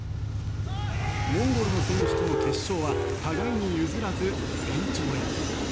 モンゴルの選手との決勝は互いに譲らず、延長へ。